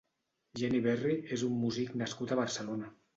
Geni Barry és un músic nascut a Barcelona.